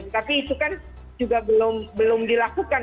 tapi itu kan juga belum dilakukan